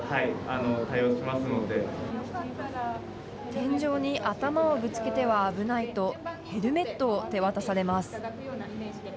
天井に頭をぶつけては危ないと、ヘルメットを手渡されます。